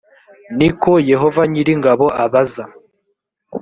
ni ko yehova nyir ingabo abaza